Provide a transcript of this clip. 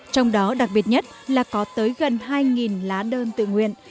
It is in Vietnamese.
trong đó đặc biệt nhất là có tới gần hai lá đơn tự nguyện